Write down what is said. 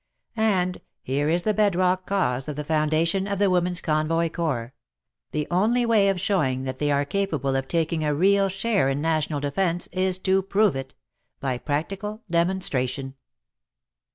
And — here is the bedrock cause of the foundation of the Women's Convoy Corps — the only way of showing that they are capable of taking a real share in National Defence is to prove it — by practical demon stration.